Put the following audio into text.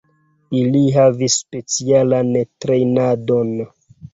Ili havis specialan trejnadon.